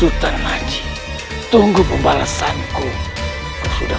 untuk menerima permintaan paduka raja